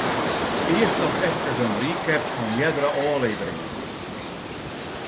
Earst noch efkes in recap fan eardere ôfleveringen.